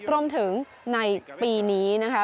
รวมถึงในปีนี้นะคะ